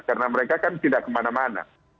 karena mereka kan tidak kemana mana